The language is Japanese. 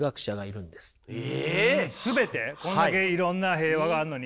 こんだけいろんな平和があるのに。